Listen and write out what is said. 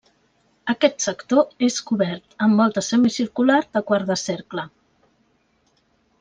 Aquest sector és cobert amb volta semicircular de quart de cercle.